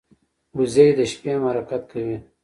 وزې د شپې هم حرکت کوي